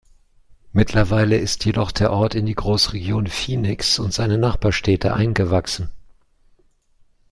Mittlerweile ist jedoch der Ort in die Großregion Phoenix und seine Nachbarstädte eingewachsen.